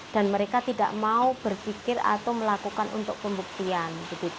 dan mereka tidak mau berpikir atau melakukan untuk pembuktian